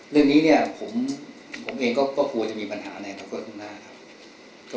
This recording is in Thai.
เรื่องนี้เนี่ยผมเองก็กลัวจะมีปัญหาในอนาคตข้างหน้าครับ